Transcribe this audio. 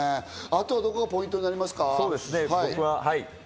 あとはどこがポイントになりますか？